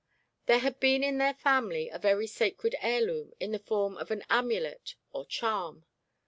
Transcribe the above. There had been in their family a very sacred heirloom in the form of an amulet or charm.